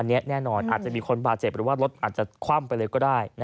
อันนี้แน่นอนอาจจะมีคนบาดเจ็บหรือว่ารถอาจจะคว่ำไปเลยก็ได้